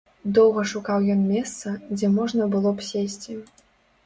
Доўга шукаў ён месца, дзе можна было б сесці.